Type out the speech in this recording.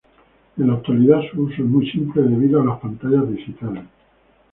En la actualidad su uso es muy simple debido a las pantallas digitales.